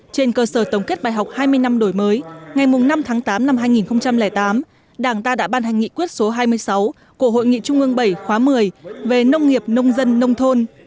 trên cơ sở tổng kết bài học hai mươi năm đổi mới ngày năm tháng tám năm hai nghìn tám đảng ta đã ban hành nghị quyết số hai mươi sáu của hội nghị trung ương bảy khóa một mươi về nông nghiệp nông dân nông thôn